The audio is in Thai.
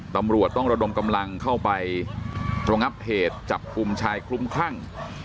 ตำรวจต้องระดมกำลังเข้าไปตระงับเหตุจับกลุ่มชายคลุ้มคลั่ง